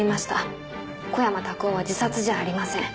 小山卓夫は自殺じゃありません。